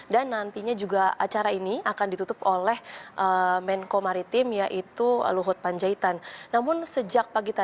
dan nantinya juga acara ini akan ditutup oleh menko maritim yaitu luhut